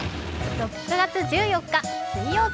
６月１４日、水曜日。